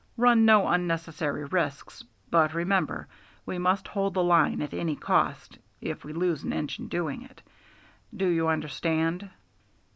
Run no unnecessary risks, but remember, we must hold the line at any cost if we lose an engine doing it. Do you understand?"